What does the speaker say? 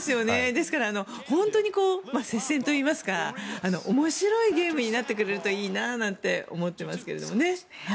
ですから本当に接戦といいますか面白いゲームになってくれるといいななんて思ってますけどね。